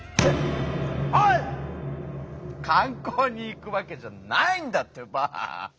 観光に行くわけじゃないんだってば！